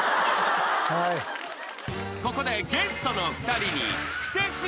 ［ここでゲストの２人に］